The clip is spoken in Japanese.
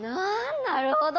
なるほど。